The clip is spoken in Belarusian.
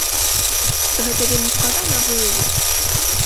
Гэта вельмі складана выявіць.